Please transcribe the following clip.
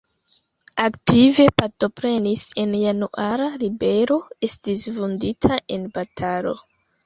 Aktive partoprenis en Januara ribelo, estis vundita en batalo.